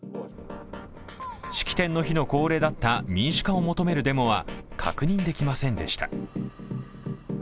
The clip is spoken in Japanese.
式典の日の恒例だった民主化を求めるデモは確認できませんでした。